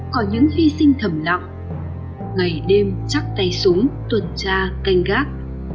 có những phi sinh thầm lọng ngày đêm chắc tay súng tuần tra canh gác